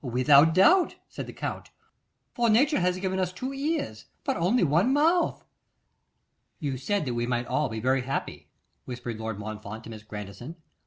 'Without doubt,' said the Count; 'for Nature has given us two ears, but only one mouth.' 'You said that we might all be very happy,' whispered Lord Montfort to Miss Grandison.